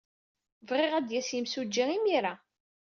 Bɣiɣ ad d-yas yimsujji imir-a.